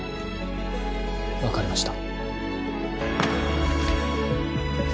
分かりました。